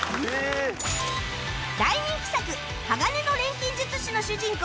大人気作『鋼の錬金術師』の主人公